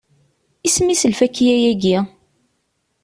Isem-is lfakya-agi?